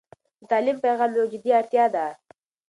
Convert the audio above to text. د تعلیم پیغام یو جدي اړتيا ده.